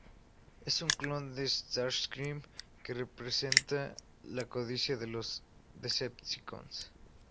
Es un clon de Starscream, que representa la codicia de los Decepticons.